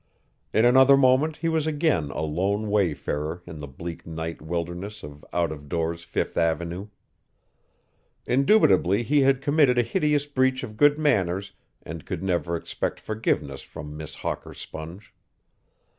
In another moment he was again a lone wayfarer in the bleak night wilderness of out of doors Fifth avenue. Indubitably he had committed a hideous breach of good manners and could never expect forgiveness from Miss Hawker Sponge.